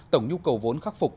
tổng nhu cầu vốn khắc phục